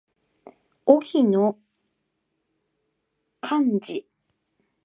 荻野貴司